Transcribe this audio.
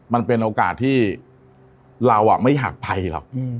มันเป็นโอกาสที่เราไม่อยากไปหรอก